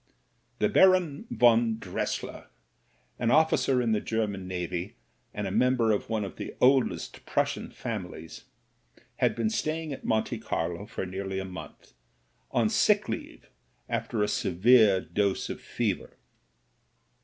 The Baron von Dressier — an officer in the German Navy, and a member of one of the oldest Prussian families — ^had been staying at Monte Carlo for nearly a month, on sick leave after a severe dose of fever.